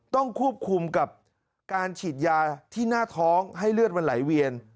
ต้องควบคุมกับการฉีดยาที่หน้าท้องให้เลือดมันไหลเวียน